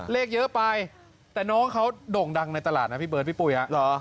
เลขเยอะไปแต่น้องเขาโด่งดังในตลาดนะพี่เบิร์ดพี่ปุ้ยฮะ